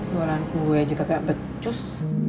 jualan kue juga gak becus